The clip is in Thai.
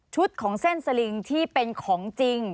ของเส้นสลิงที่เป็นของจริง